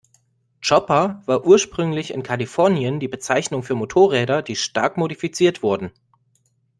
Chopper war ursprünglich in Kalifornien die Bezeichnung für Motorräder, die stark modifiziert wurden.